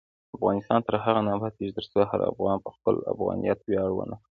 افغانستان تر هغو نه ابادیږي، ترڅو هر افغان په خپل افغانیت ویاړ ونه کړي.